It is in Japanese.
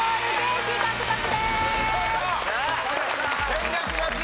戦略勝ち。